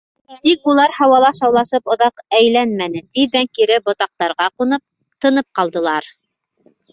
Тик улар һауала шаулашып оҙаҡ әйләнмәне, тиҙҙән кире ботаҡтарға ҡунып, тынып ҡалдылар.